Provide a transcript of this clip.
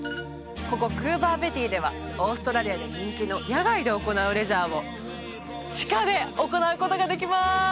ここクーバーペディではオーストラリアで人気の野外で行うレジャーを地下で行うことができます